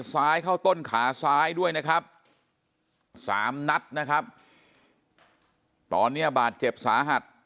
ซ้ายเข้าต้นขาซ้ายก็ด้วยนะครับ๓ณตอนนี้บาดเจ็บสาหัส